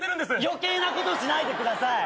余計なことしないでください。